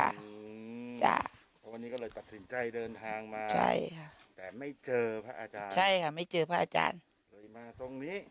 วันนี้ก็เลยตัดสินใจเดินทางมาแต่ไม่เจอพระอาจารย์เลยมาตรงนี้